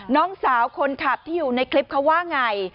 น้องสาวคนขับที่อยู่ในคลิปเขาว่าไง